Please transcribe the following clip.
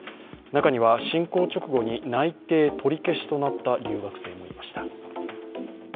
中には、侵攻直後に内定取り消しとなった留学生もいました。